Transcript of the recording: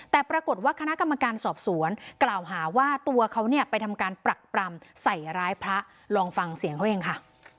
แต่ปรากฏว่าคณะกรรมการสอบสวนกล่าวหาว่าตัวเขาเนี่ยไปทำการปรักปรำใส่ร้ายพระลองฟังเสียงเขาเองค่ะ